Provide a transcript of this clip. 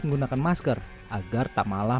menggunakan masker agar tak malah